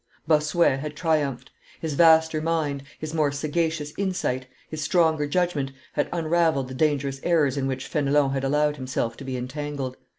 Bossuet had triumphed: his vaster mind, his more sagacious insight, his stronger judgment had unravelled the dangerous errors in which Fenelon had allowed himself to be entangled.